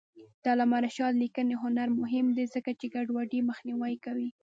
د علامه رشاد لیکنی هنر مهم دی ځکه چې ګډوډي مخنیوی کوي.